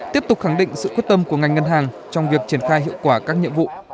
tiếp tục khẳng định sự quyết tâm của ngành ngân hàng trong việc triển khai hiệu quả các nhiệm vụ